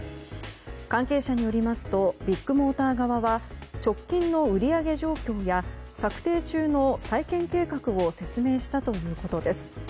関係者によりますとビッグモーター側は直近の売り上げ状況や策定中の再建計画を説明したということです。